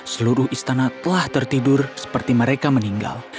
seluruh istana telah tertidur seperti mereka meninggal